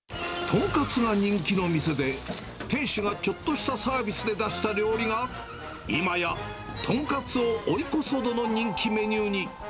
豚カツが人気の店で、店主がちょっとしたサービスで出した料理が、今や豚カツを追い越すほどの人気メニューに。